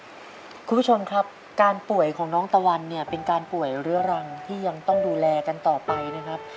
คุณผู้ชมครับการป่วยของน้องตะวันเนี่ยเป็นการป่วยเรื้อรังที่ยังต้องดูแลกันต่อไปนะครับ